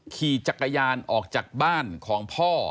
ขี่จักรยานออกจากบ้านของพ่อ